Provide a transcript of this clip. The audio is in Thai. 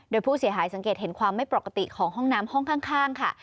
โดยผู้เสียหายสังเกตเห็นความไม่ปกติของห้องน้ำห้องข้างค่ะ